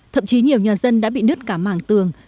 thậm chí nhiều nhà dân đã bị nứt cả mảng tường